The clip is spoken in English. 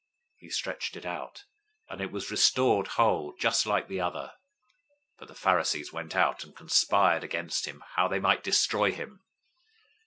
He stretched it out; and it was restored whole, just like the other. 012:014 But the Pharisees went out, and conspired against him, how they might destroy him.